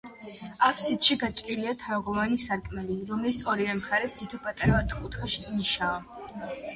აფსიდში გაჭრილია თაღოვანი სარკმელი, რომლის ორივე მხარეს თითო პატარა, ოთხკუთხა ნიშაა.